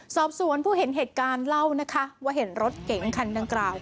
สอบสวนผู้เห็นเหตุการณ์เล่านะคะว่าเห็นรถเก๋งคันดังกล่าว